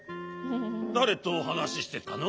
だれとはなししてたの？